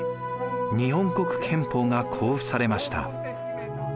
日本国憲法が公布されました。